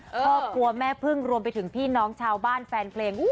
ครอบครัวแม่พึ่งรวมไปถึงพี่น้องชาวบ้านแฟนเพลง